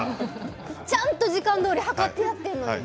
ちゃんと時間どおり測ってやっているのに。